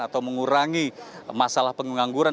atau mengurangi masalah pengangguran